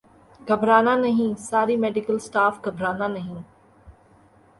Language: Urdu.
گھبرا نہ نہیں ساری میڈیکل سٹاف گھبرانہ نہیں